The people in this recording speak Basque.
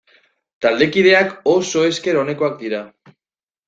Taldekideak oso esker onekoak dira.